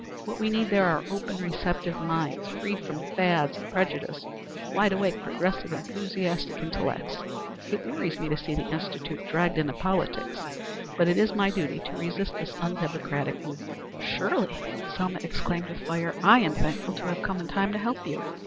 What we need there are open, receptive minds, free from fads and prejudice wide awake, progressive enthusiastic intellects. It worries me to see the Institute dragged into politics, but it is my duty to resist this undemocratic movement." "Surely," exclaimed Selma, with fire. "I am thankful I have come in time to help you.